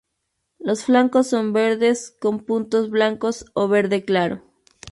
Los flancos son verdes con puntos blancos o verde claro.